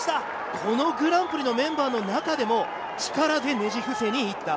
このグランプリのメンバーの中でも力でねじ伏せに行った！